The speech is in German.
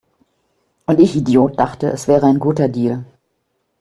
Und ich Idiot dachte, es wäre ein guter Deal